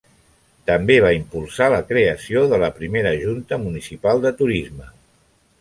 També va impulsar la creació de la primera Junta municipal de Turisme.